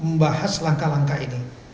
membahas langkah langkah ini